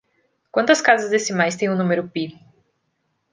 Quantas casas decimais tem o número pi?